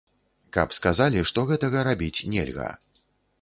Каб сказалі, што гэтага рабіць нельга.